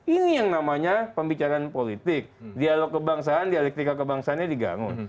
ini yang namanya pembicaraan politik dialog kebangsaan dialektika kebangsaannya diganggu